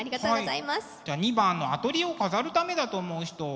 じゃあ２番のアトリエを飾るためだと思う人。